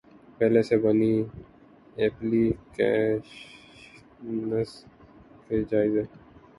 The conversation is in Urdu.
پہلے سے بنی ایپلی کیشنز کے جائزے